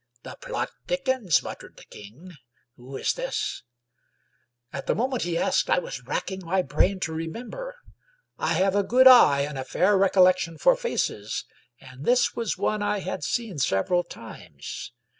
" The plot thickens," muttered the king. " Who is this? " At the moment he asked I was racking my brain to re member. I have a good eye and a fair recollection for faces, and this was one I had seen several times.